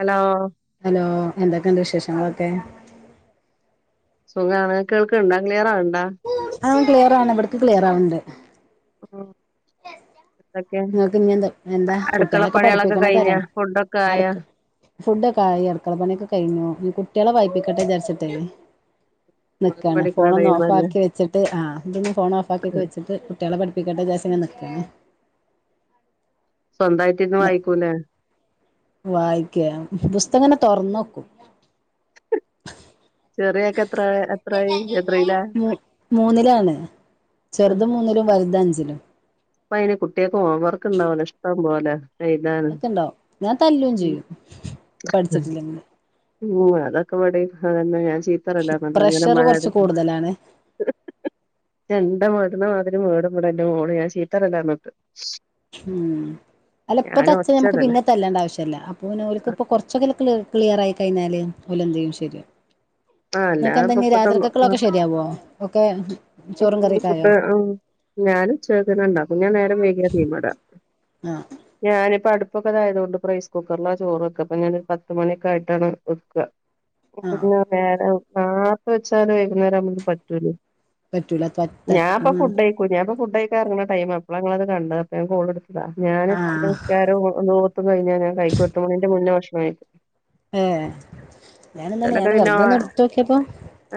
Hello hello എന്തൊക്കണ്ട് വിശേഷങ്ങൾ ക്കെ സുഖാണ് കേൾക്ക്ണ്ടോ ക്ലിയറാവ്ണ്ടോ അ ക്ലിയർ ആണ് ഇവട്ക്ക് ക്ലിയർ ആവുന്നുണ്ട് ആ നിങ്ങക്ക് ഇനി എന്ത എന്താ കുട്ടികളൊക്കെ പണികളൊക്കെ പഠിപ്പിക്കണ തര കഴിഞ്ഞാ ഫുഡൊക്കെ ആയാ അടക ഫുഡൊക്കെ ആയി അട്ക്കള പണിയൊക്കെ കഴിഞ്ഞു ഞി കു ട്ട്യാളെ വായ്പിക്കട്ടെ വിചാരിച്ച്ട്ടെ ഓര് നിക്കാണ് ഫോൺ പഠിക്ക്ണ ഒന്ന് ടൈമല്ലേ ഓഫാക്കി വെച്ചിട്ട് ആ ഇതൊന്ന് ഫോൺ ഓഫാക്കിട്ട് വെച്ചിട്ട് കുട്ടികളെ പഠി പ്പിക്കട്ടെ ജാര്ചിങ്ങനെ നിക്കാണ് സ്വന്തായിട്ട് ഇര്ന്ന് വായിക്കൂലെ വായിക്കെ പുസ്തകങ്ങനെ തുറന്നക്കും ചെറിയൊക്കെ എത്ര എത്രായി എത്രേ ല്ല മൂ മൂന്നിലാണ് ചെറുത് മൂന്നിലും വലുത് അഞ്ചിലും പ്പൊ അയിന് കുട്ട്യാക്ക് ഹോംവർക്കുണ്ടാവല്ലോ ഇഷ്ടം പോലെ എഴുതാനും ഒക്കെ ഇണ്ടാവും ഞാൻ തല്ലും ചെയ്യും പഠിച്ചിട്ടില്ലെങ്കില് ഉം അതൊക്കെ വടെ അതെന്നെ ഞാൻ ചീത്തറയ്ല്ല അതോണ്ട് അങ്ങനെ പ്രഷർ മഴ കുറച്ച് [unintelligible] കൂടുതലാണ് [unintelligible] മേടും ന്റെ മോള് ഞാൻ ചീത്തറയലാന്ന് പറഞ്ഞിട്ട് ഉം അല്ല ഇപ്പ തച്ച നമ്മക്ക് ഒച്ചടലാ പിന്നെ തല്ലണ്ട ആവശ്യല്ല അപ്പൊന്നെക്ക് ഇപ്പൊ കൊറച്ചൊക്കെ ക്ലി ക്ലിയറായി കഴിഞ്ഞാൽ ഓലെന്തായാലും ശെരിആവും ആഹ് അല്ലാതെപ്പ നിങ്ങൾക്കെന്താഞ്ഞി ഇപ്പത്തെ രാത്രികൊക്കെള്ളതൊളൊക്കെ ശരിയാവോ ഒക്കെ ചോറും കറിക്കായോ ഞാൻ ച്ചത്തേക്ക്ന് ണ്ടാക്കും ഞാൻ നേരം വൈക്യ തീമടാ ആഹ് ഞാനിപ്പ അടു ഇപ്പൊക്കെതായതോണ്ട് റൈസ് കുക്കറില ചോറ് വെക്ക അപ്പ ഞാനൊരു പത്ത് മണിയൊക്കായിട്ടാണ് വെക്ക ആഹ് [unintelligible] വെച്ചാല് വൈകുന്നേരാകുമ്പോക്ക് പറ്റൂലേ പറ്റൂല ത ത ഞാൻപ്പോ ഉം ഫുഡയ്ക്കും ഞാൻപ്പ ഫുഡയ്ക്കാൻ എറങ്ങണ ടൈമാ അപ്പള ങ്ങത് കണ്ടെ അപ്പ ഞാൻ കോള്ട് ഞാൻ ന്റെ ആഹ് നിക്കാരോം ഓത്തും കയ്ഞ്ഞ [unintelligible] മുന്നേ ഭക്ഷണം കയ്‌ക്കും ഏ ഞാനും തെന്നെ ഞാൻ വെറ്തൊന്ന് ഇട്ത്തോക്യപ്പോ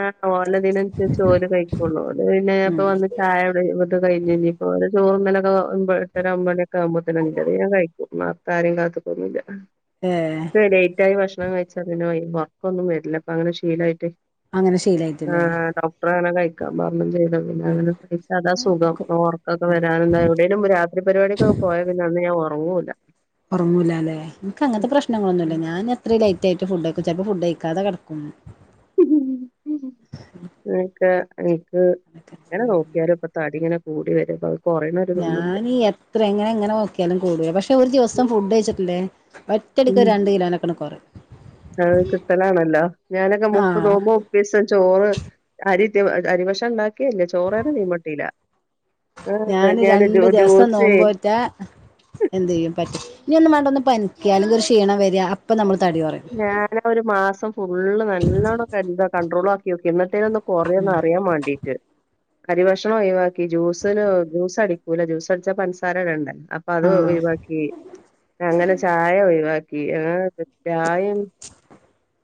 ആ ഓലതിനനുസരിച്ചോല് കഴിക്കുള്ളൂ അ പിന്നെ ഉം അപ്പൊ വന്ന് ചായ [unintelligible] കഴിഞ് ഞ്ഞിപ്പോ ഓലെ ചോറ്ന്നലൊ ആ ഏട്ടര ഒമ്പണിയാക്കെ ആവുമ്പോത്തിന് ഞാൻ കയ്ക്കും [unintelligible] ആരേം കാത്ത്ക്കൊന്നില്ല ഏഹ് ലേറ്റായി ഭക്ഷണം കഴിച്ച പിന്നെഒറക്കൊന്നും വരില്ല അപ്പ അങ്ങനെ ശീലായിട്ട് അങ്ങനെ ആ ശീലായിട്ടില്ലേ ഡോക്ടർ അങ്ങനെ കഴിക്കാ പറഞ്ഞ ചെ പിന്നെ അങ്ങനെ കഴിച്ചാ അതാസുഖം ഓർക്കെ വരാൻ എന്ത എവിടേലും രാത്രിപരിപാടി കൊക്കെ പോയാ അന്ന് ഞാൻ ഉറങ്ങുല്യ ഉറങ്ങുല്ലാല്ലെഎനക്ക് അങ്ങനത്തെ പ്രശ്നങ്ങളൊന്നുമില്ലഞാൻ എത്ര ല യ്റ്റായിട്ട് ചിലപ്പോ ഫുഡ് കഴിക്കാതെ കിടക്കും ഉ എനക്കെ എനിക്ക് എങ്ങനെ നോക്കിയാലും ഇപ്പൊ തടിങ്ങനെ കൂടി വരു ഞാനീ എത്ര എങ്ങനെ എങ്ങനെ നോക്കിയാലും കൂടുവേ പക്ഷെ ഒരു ദിവസം ഫുഡ് കഴച്ചിട്ടില്ലേ ഒറ്റടക്ക് രണ്ട് കിലോനക്കണ് കുറയും അ കിട്ടലാണല്ലോ ഞാനൊക്കെ മുപ്പ് ആഹ് നോമ്പോ മുപ്പദ് ദിവസംചോറ് അരി അരി ഭക്ഷണം ഉണ്ടാക്കിയല്ലേ ചോറ് തന്നെ മീമുട്ടില്ല ഞാന് രണ്ടു ദിവസം നോമ്പോറ്റാ എന്ത് ചെയ്യും പറ്റും ഇനി ഒന്ന് വേണ്ട ഒന്ന് പനിക്കുക അല്ലങ്കിൽ ക്ഷീണം വരിക അപ്പം നമ്മൾ ഞാനാ ഒരു മാസം ഫുള്ള് നല്ലോണം എന്താ കണ്ട്രോൾ ആക്കി നോക്കി എന്നിട്ട് മറ്റേൊന്ന് കൊറേന്ന് അറിയാൻ വേണ്ടീട്ട് അരി ഭക്ഷണം ഒഴിവാക്കി ജ്യൂസിന് ജ്യൂസ് അടിക്കൂല ജ്യൂസ അടിച്ചാ പഞ്ചസാര ഇടണ്ടേ അപ്പൊ അത് ആഹ് ഒഴിവാക്കി അങ്ങനെ ചായ ഒഴിവാക്കി അങ്ങനെ ചായം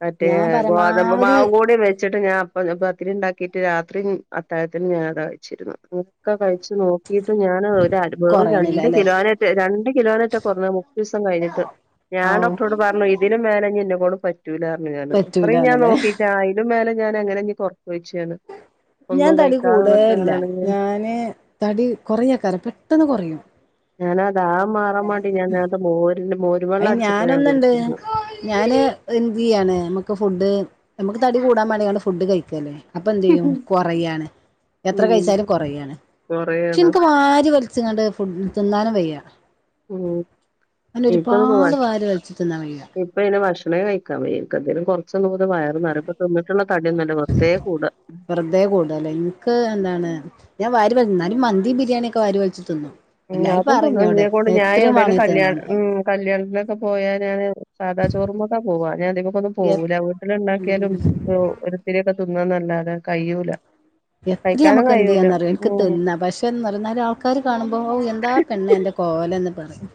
മറ്റേ ഞാൻ പരമാവധി ഗോതമ്പ്മാവു കൂടെ വെ വച്ചിട്ട് ഞാൻ അപ്പ പത്തിരി ഉണ്ടാക്കിട്ട് രാത്രിയും അത്താഴത്തിനും ഞാൻ അതാ കഴിച്ചിരുന്നത് കഴച്ച് നോക്കിയിട്ടും ഞാന് ഒരു കൊറയണില്ല വെറുംരണ്ട് അല്ലെ കിലോന രണ്ട് കിലോനറ്റ കുറഞ്ഞ മുപ്പത് ദിവസം കഴിച്ച ച്ചിട്ട്ഞാൻ ഔ ഡോക്ടറോട് പറഞ്ഞു ഇ ഇതിനും മേലെ തനി എന്നേ കൊണ്ട് പറ്റൂല്ല ന്ന് പറഞ്ഞുഞാന് അത്രയും ഞാൻ പറ്റൂലാന്ന്ല്ലേ നോക്കീട്ട് ആതിനും മേലെ ഞാൻഎങ്ങനെ ഇനി കൊറക്കും ചോയിച്ചു ഞാന് ഞാൻ ഒന്നും തടി കഴിക്കാതെ നിന്നിട്ട് കൂടല്ല അങ്ങനെയാണെങ്കിൽ ഞാന് തടി കൊറയാക്കറ പെട്ടെന്ന് കുറയും ഞാന ദാഹംമാറാൻ വേണ്ടി ഞാൻത്തെ മോരില് മോരില് അയി ഞാനൊന്ന ഇണ്ട് ഞാന് എന്ത് ചെയ്യാണ് നമ്മുക്ക് ഫുഡ് നമുക്ക് തടി കൂടാൻ വേണമെങ്കള് ഫുഡ് കഴിക്കല്ലേ അപ്പൊ എന്ത് ചെയ്യും കൊറയയാണ് എത്ര ഉം കഴിച്ചാലും കൊറയയാണ് പക്ഷെ കൊറേയാണ് എനക്ക് വാരി വലിച്ചങ്ങ് ഫുഡ്‌ തിന്നാനും വയ്യ ഉം അങ്ങനെ ഒരുപാട് വാരിവലിച്ച് തിന്നാൻ കഴിയൂല. ഇനി ഭക്ഷണേ കഴിക്കാൻ കഴിയേല എന്തേലും കൊറച്ച് [unintelligible] വയറ് നറഞ്ഞ്ട്ട് തിന്നിട്ടുള്ള തടിയൊന്നല്ല വെറുതെ കൂടാ. വെറുതെ കൂടല്ലേ എനിക്ക് എന്താണ് ഞാൻ വാരി വലി എന്നാലും മന്തി ബിരിയാണിക്ക വാരി വലിച്ച് തിന്നും. ഉം എല്ലാരും അതൊന്നും പറയും എന്നോട് [unintelligible] ഞാൻ എത്രയും എവിടെേലും വേണേ കല്യാണ തിന്നാന്ന് ഉം കല്യാണിത്തിനൊക്ക പോയാനാണ് സാദാ ചോറുമൊക്കാ പോവാ ഞാൻധികമൊക്ക ഒന്നും എ പോകൂല്ല വീട്ടില് ഉം ഇണ്ടാക്കിയാലും ഒ ഒരിത്തിരിയേക്ക [unintelligible] കഴിയൂല. എത്ര കഴിക്കാനും നമുക്ക് എന്ത് കഴിയൂല ചെയ്യാന്നറിയോ എനിക്ക് ഉം തിന്നാപക്ഷേ എന്നാറിയാ നാലുംആൾക്കാര് കാണു ഓ ഓ എന്താ പെണ്ണേ ഇന്റെ കോലന്ന് പറയും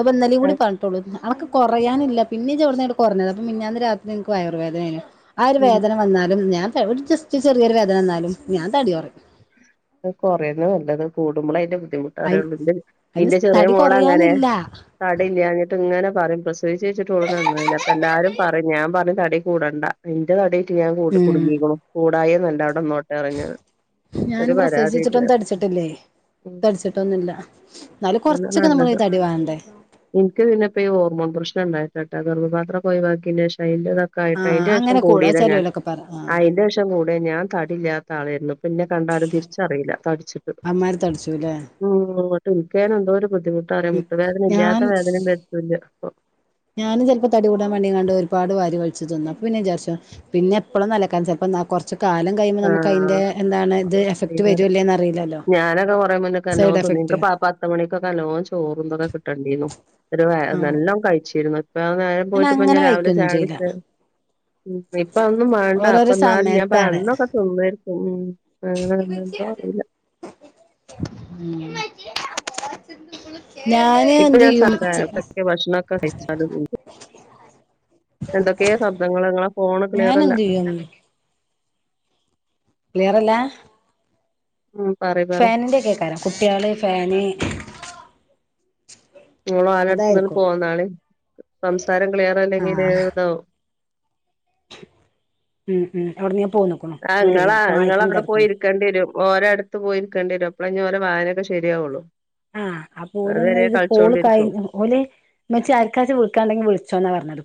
അപ്പന്നലേം കൂടി അത് പറഞ്ഞട്ടോള്ളൂ [unintelligible] കൊറയാനില്ല പിന്നേം ചോടെന്നങ്ങ് കൊറഞ്ഞതാ അപ്പ മിഞ്ഞാന്ന് രാത്രി എന്നിക്ക് വയറ് വേദന ആയിനു ആ ഒരു ഉം വേദന വന്നാലും ഞാൻ ചെ ഒര് ജസ്റ്റ് ചെറിയൊരു വേദന വന്നാലും ഞാൻ തടി കൊറക്കും. കൊറേന്ന നല്ലത് കൂടുമ്പോള അയ്ന്റെ ബുദ്ധിമുട്ട് അയി അറിയോള്ളതിന്റെ അയിന് ഇന്റെ ചെറിയ തടി മോളാ അങ്ങനെ കൊറയാനില്ല തട ഇല്ലാഞ്ഞിട്ട് ഇങ്ങനെ പറയും പ്രസവിച്ചെഴിച്ചിട്ടോള് നന്നായില്ല അപ്പ എല്ലാവരും പറയും ഞാൻ പറഞ്ഞ് തടി കൂടണ്ട ഇന്റ തടി ഞാൻ കൂട് ഉം കുടുങ്ങിക്കോളും കൂടായ നല്ല അവിടിന്നോട്ട് [unintelligible] ഞാൻ പ്രസവിച്ചിട്ടൊന്നും തടിച്ചട്ടില്ലേ. ഉം തടിച്ചിട്ടൊന്നുല്ല എന്നാല് കൊറച്ചൊക്കെ നമ്മൾ തടി വാണ്ടേ എനിക്ക് പിന്നെപ്പെഴോ ഹോർമോൺ പ്രശ്നം ഉണ്ടായിട്ടാട്ടാ ഗർഭപാത്രം പോയി ബാക്കി ലേ [unintelligible] ഇതൊക്കെ ആയിട്ട് ആഹ് അതിന്റേഷം അങ്ങനെ കൂടാ കൂടീതാ ഞാൻ ചെലോലൊക്കെ പറ ആഹ് അതിന്റേഷം കൂടെ ഞാൻ തടില്ലാത്ത ആളായിരുന്നു പിന്നെ കണ്ടാലും തിരിച്ചറിയില്ല തടിച്ചിട്ട്. അമ്മാരി തടിച്ചുല്ലേ ഉം ഇങ്ങോട്ട് നിൽക്കാനെന്തോ ഒരു ബുദ്ധിമുട്ടാറിയാം ഉം മുട്ട് വേദന ഞാൻ ഇല്ലാത്ത വേദനയും വരുത്തുല്ല ആ ഞാനും ചെലപ്പോ തടി കൂടാൻ പണ്ടെങ്ങാണ്ട് ഒരു പാട് വാരി കഴിച്ചു തിന്ന അപ്പൊ പിന്നെ വിചാരിച്ചു പിന്നെ എപ്പളും നെലക്കാൻ ചിലപ്പ എന്നാ കൊറച്ച് കാലം കയുമ്പ നമുക്ക് അയിന്റെ എന്താണ് ഇത് എഫക്ട് ആഹ് വരേല്ലേന്ന് അറിയില്ലല്ലോ സൈഡ് എഫക് നിനക്ക് പ പത്ത് മണിക്കക്കൊക്കെല [unintelligible] ചോറുംന്തൊക്കെ കിട്ടേണ്ടിരുന്നു അത് വേ ആഹ് നല്ലോം കഴിച്ചിരുന്നു. ആ നേരം പോയിട്ടപ്പ അങ്ങനെ ഞാൻ രാവിലെ കഴിക്കൊന്നും ചെയ്യില്ല ചായുടിച്ച ഉം ഇപ്പ അതൊന്നും വേണ്ട അപ്പ ഓരോരോ എന്നാലും ഞാൻ പറ സമയത്താണ് അന്നൊ ഊം അങ്ങനെന്തോ അറിയില്ല [unintelligible] ഇപ്പൊ എന്ത് ഞാൻ ചെയ്യും [unintelligible] ഭക്ഷ ണൊക്ക കഴിച്ചാലൊന്നും കൂടും എന്തൊക്കെയെ ശബ്ദങ്ങള് നിങ്ങള ഫോണ് ഞാൻ ക്ലിയർ അല്ല എന്ത് ചെയ്യും ക്ലിയറല്ലാ? ഉം പറി പറി ഫാനിന്റെ കേക്കാരം കുട്ടികള് ഫാന് നിങ്ങള് ഫാനിന്റട്ത്ത് നിന്ന് അതായിരിക്കും പോന്നാള് സംസാരം ക്ലിയർ അല്ലെങ്കില് ആഹ് ഇതാവും ഉം ഉം അവിടന്ന് ഞാ ആ ഇങ്ങളാ ഇങ്ങളവിട പോയി ഇരിക്കേണ്ടി വരും ഓരോടത്ത് പോയിരിക്കേണ്ടി വരും അപ്പോള ഓള ഓര വായനൊക്കെ ശരിയാവോള്ളൂ. ആ ആ പോലൊന്നെ ഇത് കോള് കഴിഞ്ഞ പോലെ മറ്റേ ആർക്കാച്ചാ വിളക്കാണ്ടെങ്കിൽ വിളിച്ചോന്നാ പറഞ്ഞത്.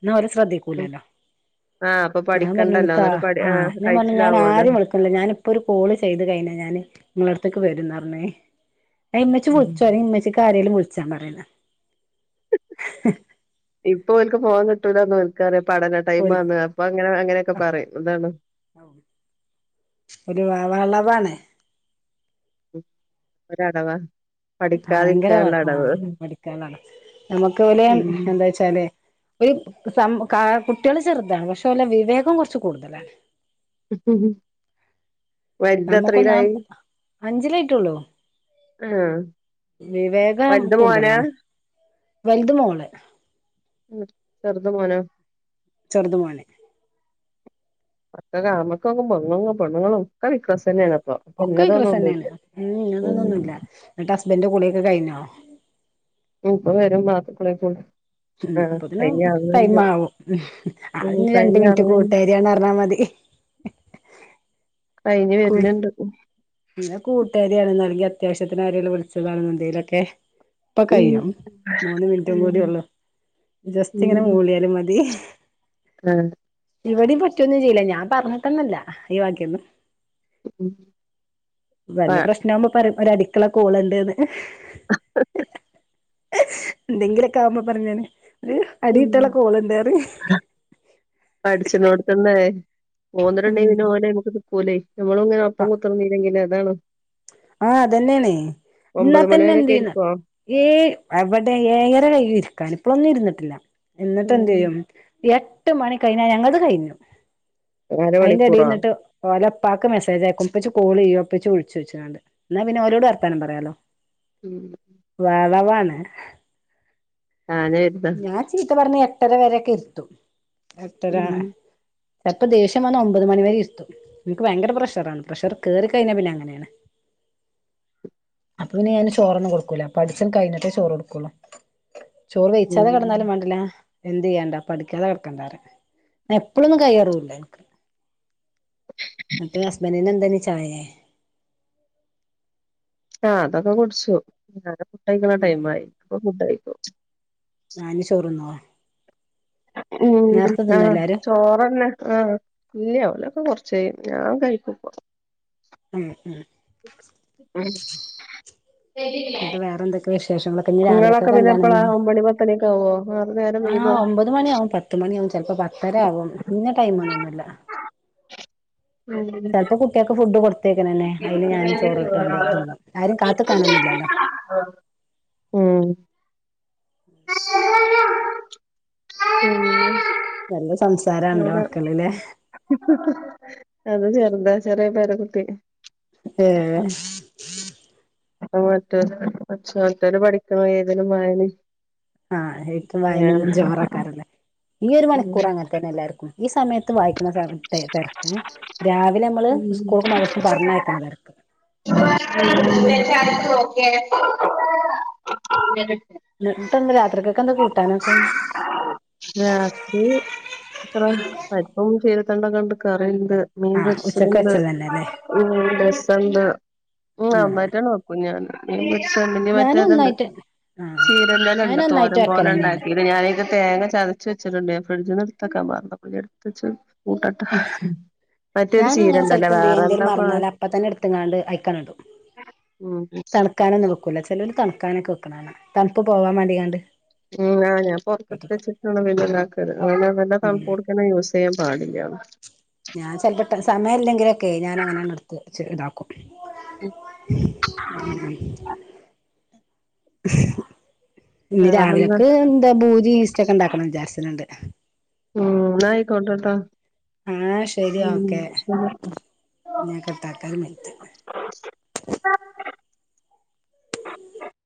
ഇന്ന് അവരെ ശ്രദ്ധിക്കൂലല്ലോ. ആ അപ്പൊ ഞാൻ പറഞ്ഞു പഠിക്കണ്ടല്ലോ നിനിക്കാ എന്നിട്ട് പഠി ആ ആ ആഹ് ഞാൻ പറഞ്ഞു എനക്ക് ആ ആ ഞാൻ പറഞ്ഞു ഞാൻ കഴിച്ചിലാവോലോ ആരും വിളിക്കുന്നില്ല ഞാന് ഇപ്പൊ ഒരു കോള് ചെയ്ത് കഴിഞ്ഞി ഞാന് നിങ്ങ നിൻറടത്തേക്ക് വരന്നു പറഞ്ഞേ ഹ് ഇമ്മച്ചി വിളിച്ചോ അല്ലേ ഇമ്മച്ചിക്കാരേലും വിളിച്ചാ പറയുന്നേ ഇപ്പൊ എൽക്ക് പോവാൻ കിട്ടൂല്ലാന്നൽക്കാരേ പഠന ടൈം ഓല് ആന്ന് അപ്പൊ അങ്ങനെ അങ്ങനെയൊക്കെ ആഹ് പറയും ഇതാണ്. ഒരു വ വളവാണേ ഉം അരാട വാ ആ ഭയങ്കര വ ആ പടിക്കലാണ് നമുക്ക് പോലെ ഉം എന്താ വച്ചാലെ ഒര് സം കാ കുട്ടികള് ചെറുതാണ് പക്ഷെ നല്ല വിവേകം കൊറച്ച് കൂടുതലാണ് നമ്മുക്കൊന്ന വലുതെത്രയിലായി അഞ്ചിലായിട്ടൊള്ളൂ ആഹ് വിവേകം വലുത് മോനാ കൂടുതലാണ്. വൽത് മോള് ഉം ചെറുത് മോനോ? ചെറുതു മോന് [unintelligible] പൊണ്ണുങ്ങളും [unintelligible] വിക്രസന്നേണ്പ്പൊ. ഒക്കെ പ്പൊന്നത് വികൃസ് ന്നൊന്നുല്ല. തന്നെയാണ് ഉം ഇതൊന്നൊന്നുമില്ല എന്നിട്ട് ഹസ്ബൻന്റെ കുളിയൊക്കെ കഴിഞ്ഞോ ഇപ്പൊ വരും മാ [unintelligible] ഉം അപ്പൊത്തിന് ടൈമാവും ഉം അത് ഉം ഞ്ഞി രണ്ട്‌ കഴിഞ്ഞ മിനിറ്റ് കൂട്ടാര്യാന്ന് പറഞ്ഞാമതി. കഴിഞ്ഞ് വരുന്ന്ണ്ട് ന്നാ കൂട്ടുകാരിയാണ്ന്നോ അല്ലെങ്കി അത്യാവശ്യത്തിന് ആരേലും വിളിച്ചതാണ്ന്നോ എന്തേലൊക്കെ ഇപ്പൊ കഴിയും മൂന്ന് മിനിറ്റും ഉം കൂടി ഉള്ളു ജസ്റ്റ് ഇങ്ങനെ ഉം മൂളിയാലും മതി ആഹ് ഇവിടീം പറ്റൊന്നും ചെയ്യുല ഞാൻ പറഞ്ഞിട്ടന്നെല്ല ഈ വകെന്നും ഉം വല്ല പ്രശ്നമാവുമ്പോ പറയും ഒരടിക്ക്‌ള്ള കോളുണ്ട്ന്ന് എന്തെങ്കിലൊക്കാവുമ്പോ പറിം ഞാന്. ഒരു അടി ഉം കിട്ടാള്ള കോള്ണ്ടറിം. പോന്ന്ട്ട്ണ്ടെങ്കി പിന്നെ ഓലയിമക്ക് നമുക്ക് നിക്കൂലേയ് ഞമ്മളുംങ്ങനെ ഒപ്പം കുത്തർന്നീലെങ്കിലേ അതാണ്! ആ അതന്നെയണേ ന്നാ ഒമ്പത് മണി തന്നെ വരെയൊക്കെ എന്തിയ്യുന്ന ഇരിക്കുവോ ഏയ് എവടെ ഏഴര കയ്യും ഇരിക്കാന് ഇപ്പളൊന്നും ഇുരുന്നിട്ട് ല്ല എന്നിട്ടെന്ത് ഉം ചെയ്യും എട്ട് മണി കഴിഞ്ഞാ ഞങ്ങൾത് കഴിഞ്ഞു അതിന്റെ അരമണിക്കൂറോ അടിയിൽന്നിട്ട് ഓലപ്പാക്ക് മെസ്സേജ് ആയക്കും പ്പച്ചി കോള് ചെയ്യോ? പ്പച്ചി വിളിച്ചോയ്ച്ച്കാണ്ട് ന്നാ പിന്നെ ഓലോട് വർത്താനം പറയാലോ ഉം വാണ് ഞാന് കരുതാ ഞാൻ ചീത്ത പറഞ്ഞ ഏട്ടര വരൊക്കെ ഇര്ത്തും എട്ടര ഉം ചെൽപ്പോ ദേഷ്യം വന്നാ ഒമ്പത് മണിവരെ ഇര്ത്തും ൻക്ക് ഭയങ്കര പ്രഷറാണ് പ്രഷർ കേറി കഴിഞ്ഞാ പിന്നെ അങ്ങനേണ്. അപ്പൊ പിന്നെ ഞാന് ചോറൊന്നും കൊടുക്കൂല പഠ്ത്തം കഴിഞ്ഞിട്ടേ ചോറൊടുക്കുള്ളൂ. ചോറ് വെയിച്ചാതെ ഉം കിടന്നാലും മാണ്ടില്ല എന്തിയ്യെണ്ടാ പഠിക്കാതെ കിടക്കണ്ടാറിം എപ്പഴൊന്നും കയറൂല്ല ൻക്ക് മറ്റത് ഹസ്ബന്റിനെന്തേനി? ചായെ? ആ അതൊക്കെ കുടിച്ചു ഫുഡ്ഡയ്ക്ക്‌ണ ടൈം ആയി പ്പ ഫുഡായി ആ ഞ്ഞി ചോറുന്നോ? ഉം നേരത്തെ തിന്നോ ആഹ് എല്ലാരും ചോറന്നെ ആഹ് ഇല്യ ഓലൊക്കെ കൊറച്ച് ശെ [unintelligible] ഞാൻ കഴിക്കുംപ്പൊ ഉം ഉം [unintelligible] ന്നിട്ട് വേറെ എന്തൊക്കെ വിശേ ശേഷങ്ങളൊക്കെ ഇന്നി ഇങ്ങളൊക്കെ രാവിലക്കൊക്കെ എ പിന്നെ ന്താണ് എപ്പളാ ഒമ്പണി പത്തണിയൊക്കെ ആവോ ആറ് നേരം ന്ന്ആ വൈകോ ഒമ്പത് മണിയാവും പത്ത് മണിയാവും ചെലപ്പോ പത്തരാവും ഇന്ന ടൈമ്ന്നൊന്നുല്ല. ഉം ചെൽപ്പൊ കുട്ട്യാക്ക്‌ ഫുഡ് കൊടുത്ത ത്തേക്കിനെന്നെ അയ്ല് ഞാനും ചോറ് ഇട്ത്ത്കാണ്ട് തിന്നും ആരിം കാത്ത്ക്കാനൊന്നുല്ലല്ലോ ഉം ഉം [unintelligible] [unintelligible] അതാ മക്കളിലെ ഹ്ഹ്അത് ചെറുതാ ചെറിയ പേരക്കുട്ടി ഏ അത് മറ്റേ കൊച്ച്പോലത്തോര് പഠിക്കണ ഏതേലും വായനേം ആഹ് എഴ്ത്തും വായനയും ജോറാക്കാലോന്ന് ഈയൊരു ഉം മണിക്കൂറ് അങ്ങൻത്തന്നെ എല്ലാര്ക്കും ഈ സമയത്ത് വായിക്ക്ന്ന തെരക്ക്യെ തെര ക്ക് രാവിലമ്മള് ഉം സ്കൂൾക്കും മദ്രസ്ക്കും പറഞ്ഞയക്ക്ണ തെരക്ക് [unintelligible] ഇന്നിട്ടെന്താ രാത്രിക്കൊക്കെന്താ കൂട്ടാനൊക്കെ ത്രം പരിപ്പും ചീരത്തണ്ടൊക്കണ്ട് കറി ആഹ് ഉച്ചക്ക് മീമ്പൊരിച്ചത്ണ്ട് വെച്ചത് തന്നെല്ലേ [unintelligible] ത്ണ്ട് ഉം നന്നായിട്ടാണ്ട് വെക്കും ഞാൻ മീൻപൊരി ചെമ്മ്ന് ഞാനും മറ്റേത്ണ്ട് ഒന്നായിട്ട് ആഹ് ചീരെന്റെലണ്ട് ഞാനും ഒന്നായിട്ട് തോരൻ പോലെ വെക്കലന്നെയാണ് ഉണ്ടാക്കിയത് ഞാന് തേങ്ങ ചതച്ച് വച്ചിട്ടുണ്ട് ഞാൻ ഫ്രിഡ്ജിന്നെടുത്തക്കാൻ മറന്നു പിന്നെടുത്തച്ചു കൂട്ടട്ട ഞാനങ്ങനെ ചെലപ്പന്ത് ചെയ്യാ എന്തേലും മറന്നാല് അപ്പത്തന്നെ എടുത്ത്ങ്ങാണ്ട് അയ്ക്കാണ്‌ടും ഉം തണ്ക്കാനൊന്നും വെക്കൂല ചിലര് തണുക്കാനൊക്കെ വെക്ക്ണാണ തണുപ്പ് പോവാൻ മേണ്ടിങ്ങാണ്ട് ഉം ആ ഞാൻ പുറത്തെട്ത്തെച്ചിട്ടാണ് മീൻ നന്നാക്കല് അവനങ്ങനെ ഉം തണുപ്പോട്ക്കെന്നെ യൂസെയ്യാൻ പാടില്ല ഞാൻ ചില [unintelligible] സമയില്ലെങ്കിലെക്കെയെ ഞാനങ്ങനെന്നെട്ത്തെച്ച്താക്കും [inaudible] ഇനി വേറെന്താ രാവിലെക്ക് എന്താ ഭൂരി ഈസ്റ്ക്ക്ണ്ടാക്കണം വിചാരിച്ച്ണ്ട് ഉം എന്നായിക്കോട്ടെട്ടാ ആഹ് ശെരി ഓക്കെ ഞാൻ കട്ടാക്കാണ് മെൽത്തെ [inaudible]